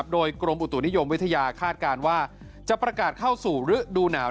โดยกรมอุตุนิยมวิทยาคาดการณ์ว่าจะประกาศเข้าสู่ฤดูหนาว